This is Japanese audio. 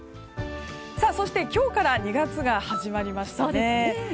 そして、今日から２月が始まりましたね。